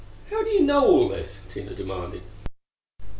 "How do you know all this?" Tina demanded.